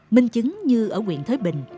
mình chứng như ở huyện thới bình